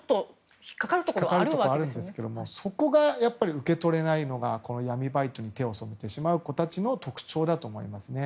引っかかるところはあるんですけどそこが受け取れないのがこの闇バイトに手を染めてしまう子たちの特徴だと思うんですね。